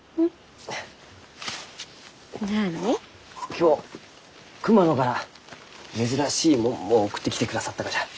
今日熊野から珍しいもんも送ってきてくださったがじゃ。